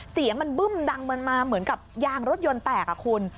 เสียงมันบึ้มดังมันมาเหมือนกับยางรถยนต์แตกคุณ